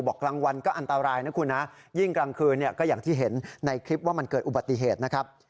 กลางวันก็อันตรายนะคุณนะยิ่งกลางคืนเนี่ยก็อย่างที่เห็นในคลิปว่ามันเกิดอุบัติเหตุนะครับ